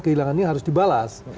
kehilangan ini harus dibalas